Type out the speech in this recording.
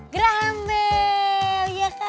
graham bell ya kan